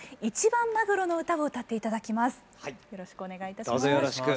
「一番マグロの謳」を歌って頂きます。